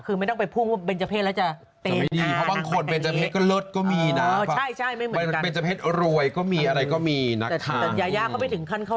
คือไม่ต้องไปพุ่งว่าเป็นเจ้าเพศแล้วจะตี